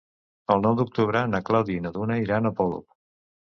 El nou d'octubre na Clàudia i na Duna iran a Polop.